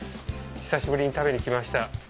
久しぶりに食べに来ました。